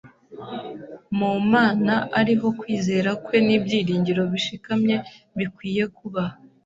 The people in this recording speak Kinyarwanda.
mu Mana ariho kwizera kwe n’ibyiringiro bishikamye bikwiye kuba.